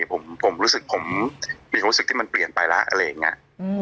ผมรู้สึกผมมีความรู้สึกที่มันเปลี่ยนไปแล้วอะไรอย่างนี้